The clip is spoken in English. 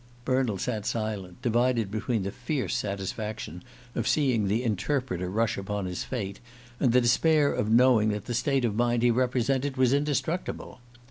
Bernald sat silent, divided between the fierce satisfaction of seeing the Interpreter rush upon his fate, and the despair of knowing that the state of mind he represented was indestructible.